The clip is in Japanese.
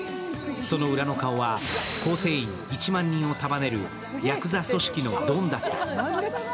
その裏の顔は構成員１万人を束ねるやくざ組織のドンだった。